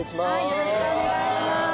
よろしくお願いします。